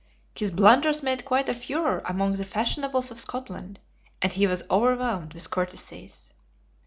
His blunders made quite a FURORE among the fashionables of Scotland, and he was overwhelmed with courtesies.